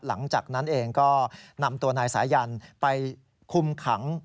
หลังจากนั้นเองก็นำตัวนายสายันไปคุมขัง